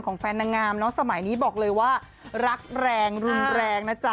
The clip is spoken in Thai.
แฟนนางงามเนอะสมัยนี้บอกเลยว่ารักแรงรุนแรงนะจ๊ะ